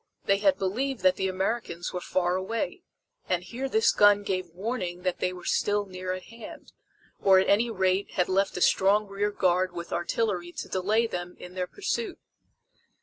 They had believed that the Americans were far away, and here this gun gave warning that they were still near at hand, or at any rate had left a strong rear guard with artillery to delay them in their pursuit.